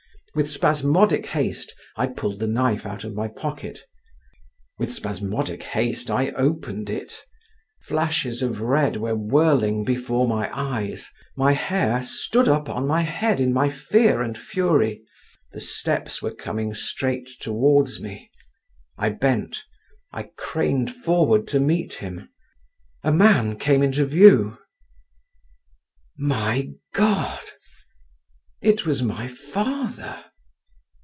With spasmodic haste, I pulled the knife out of my pocket; with spasmodic haste, I opened it. Flashes of red were whirling before my eyes; my hair stood up on my head in my fear and fury…. The steps were coming straight towards me; I bent—I craned forward to meet him…. A man came into view…. My God! it was my father!